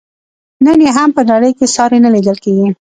نن یې هم په نړۍ کې ساری نه لیدل کیږي.